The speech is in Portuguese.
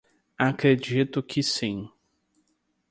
Acredito que sim